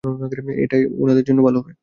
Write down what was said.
এটাই ওনাদের জন্য ভালো হবে।